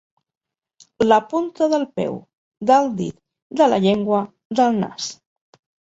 La punta del peu, del dit, de la llengua, del nas.